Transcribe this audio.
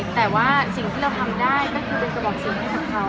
แต่ว่าสิ่งที่เราทำได้ก็คือเป็นกระบอกเสียงให้กับเขา